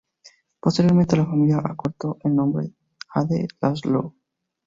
Posteriormente la familia acortó el nombre a "de László".